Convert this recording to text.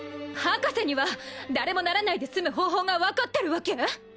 博士には誰もならないで済む方法が分かってるわけ？